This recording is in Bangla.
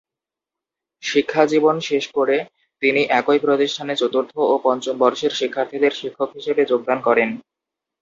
শিক্ষাজীবন শেষ করে তিনি একই প্রতিষ্ঠানে চতুর্থ ও পঞ্চম বর্ষের শিক্ষার্থীদের শিক্ষক হিসেবে যোগদান করেন।